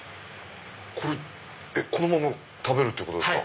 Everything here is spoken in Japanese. これこのまま食べるってことですか？